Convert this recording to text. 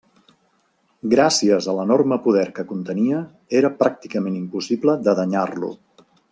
Gràcies a l'enorme poder que contenia era pràcticament impossible de danyar-lo.